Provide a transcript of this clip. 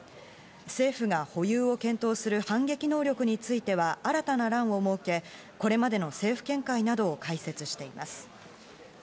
政府が保有を検討する反撃能力については新たな欄を設け、これまでの政府見解などを解説しています。